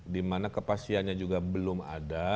dimana kepastiannya juga belum ada